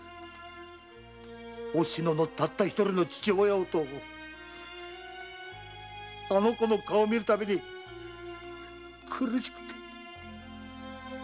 おしののたった一人の父親をとあの子の顔を見るたびに苦しくって。